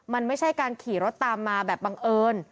มันไม่ใช่การขี่รถตามมาแบบบังเอิญ